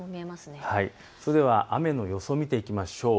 それでは雨の予想を見ていきましょう。